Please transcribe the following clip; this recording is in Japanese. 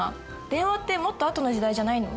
電話ってもっと後の時代じゃないの？